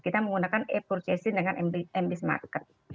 kita menggunakan e purchasing dengan mbis market